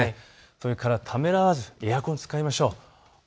そしてためらわずエアコンを使いましょう。